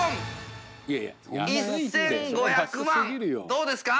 どうですか？